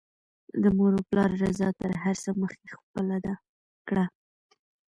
د مور او پلار رضاء تر هر څه مخکې خپله کړه